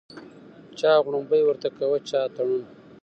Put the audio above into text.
چا غړومبی ورته کاوه چا اتڼونه